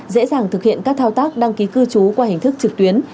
dễ dàng thực hiện các thao tác đăng ký cư trú qua hình thức trực tuyến